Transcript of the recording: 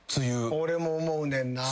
俺も思うねんな。